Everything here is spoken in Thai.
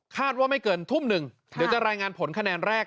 ว่าไม่เกินทุ่มหนึ่งเดี๋ยวจะรายงานผลคะแนนแรก